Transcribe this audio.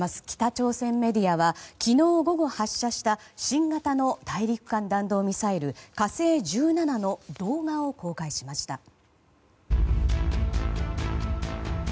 北朝鮮メディアは昨日午後発射した新型の大陸間弾道ミサイル「火星１７」の動画を公開しました。